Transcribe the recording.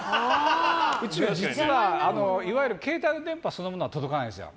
宇宙は実はいわゆる携帯の電波そのものは届かないんですよ。